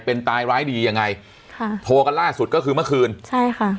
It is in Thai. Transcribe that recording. เป็นตายร้ายดียังไงค่ะโทรกันล่าสุดก็คือเมื่อคืนใช่ค่ะ